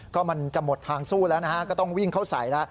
ก็มันจะหมดทางสู้แล้วนะฮะก็ต้องวิ่งเข้าใส่แล้ว